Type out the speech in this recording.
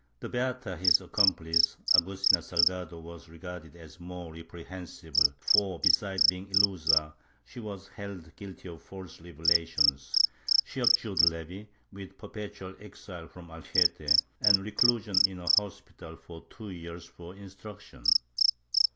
The beata his accomplice, Agustina Salgado, was regarded as more reprehensible for, besides being ilusa, she was held guilty of false revelations; she abjured de levi, with perpetual exile from Algete and reclusion in a hospital for two years, for instruction.